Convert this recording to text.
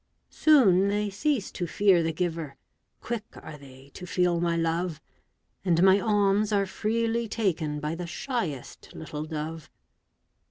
Soon they cease to fear the giver, Quick are they to feel my love, And my alms are freely taken By the shyest little dove.